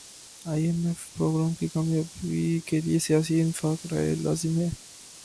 ائی M F programme کی کامیابی کیلئے سیاسی اتفاق رائے لازم ہے